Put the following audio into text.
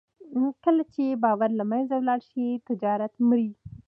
کله چې باور له منځه ولاړ شي، تجارت مري.